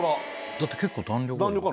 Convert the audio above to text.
だって結構弾力あるよ